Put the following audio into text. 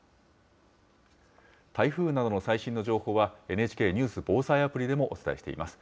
台風などの最新の情報は、ＮＨＫニュース・防災アプリでもお伝えしています。